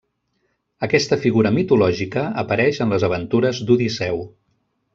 Aquesta figura mitològica apareix en les aventures d'Odisseu.